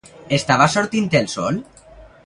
Estava sortint el sol?